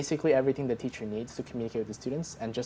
semua yang perlu dilakukan oleh guru untuk berkomunikasi dengan para pelajar